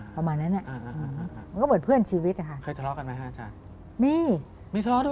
คือเหมือนเพื่อนชีวิต